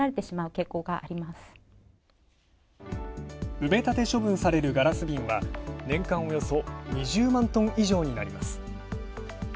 埋め立て処分されるガラス瓶は、年間およそ２０万トン以上になります。